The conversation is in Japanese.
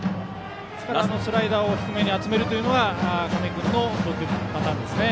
スライダーを低めに集めるというのが亀井君の投球パターンですね。